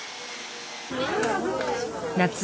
夏